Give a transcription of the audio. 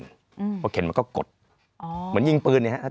เพราะเข็นมันก็กดอ๋อเหมือนยิงปืนเนี่ยครับ